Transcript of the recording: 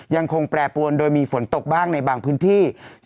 ยังคงแปรปวนโดยมีฝนตกบ้างในบางพื้นที่